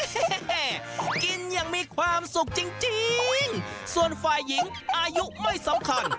กินอย่างมีความสุขจริงส่วนฝ่ายหญิงอายุไม่สำคัญ